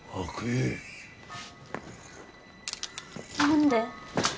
何で。